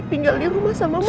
pinggal di rumah sama mama ya